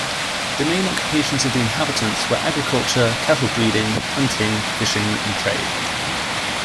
The main occupations of the inhabitants were agriculture, cattle-breeding, hunting, fishing, and trade.